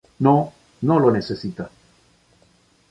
No, no lo necesita.